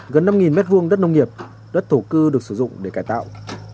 gần năm m hai đất nông nghiệp đất thổ cư được sử dụng để cải tạo